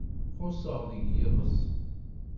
Xuṣṣeɣ deg yiḍes.